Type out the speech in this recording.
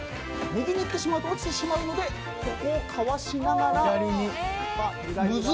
右に行ってしまうと落ちてしまうのでかわしながら。